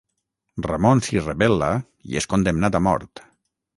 Ramon s'hi rebel·la i és condemnat a mort.